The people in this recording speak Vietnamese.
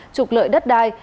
trục lợi đất đai